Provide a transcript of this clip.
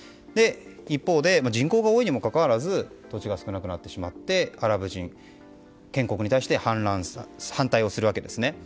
一方で人口が多いにもかかわらず土地が少なくなってしまってアラブ人は建国に対して反対をするわけですね。